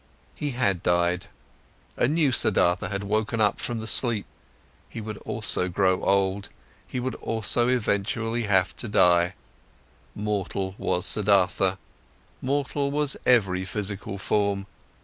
He had died, a new Siddhartha had woken up from the sleep. He would also grow old, he would also eventually have to die, mortal was Siddhartha, mortal was every physical form.